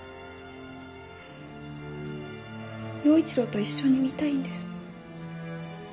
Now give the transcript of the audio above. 耀一郎と一緒に見たいんです。